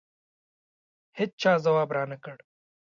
هېچا ځواب رانه کړ.